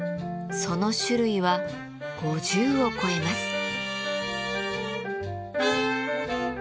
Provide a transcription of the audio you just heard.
その種類は５０を超えます。